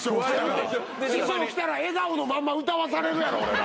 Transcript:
師匠来たら『笑顔のまんま』歌わされるやろ俺ら。